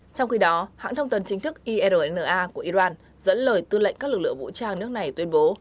trong khi đó hãng thông tấn chính thức irna của iran dẫn lời tư lệnh các lực lượng vũ trang nước này tuyên bố